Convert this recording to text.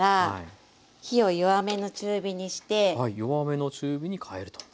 弱めの中火に変えると。